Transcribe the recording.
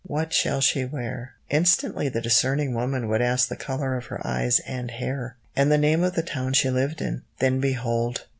What shall she wear?" Instantly the discerning woman would ask the colour of her eyes and hair, and the name of the town she lived in, then behold!